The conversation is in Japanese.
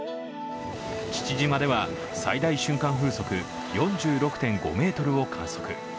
父島では、最大瞬間風速４６．５メートルを観測。